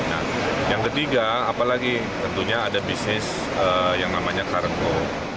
nah yang ketiga apalagi tentunya ada bisnis yang namanya kargo